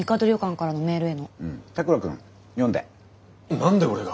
何で俺が。